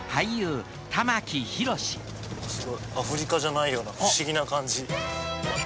すごいアフリカじゃないような不思議な感じ。